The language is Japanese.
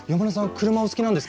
車お好きなんですか？